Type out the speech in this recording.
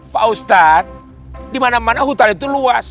pak ustadz di mana mana hutan itu luas